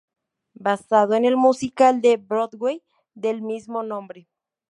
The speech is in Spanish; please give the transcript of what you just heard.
Basada en el musical de Broadway del mismo nombre.